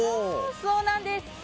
そうなんです！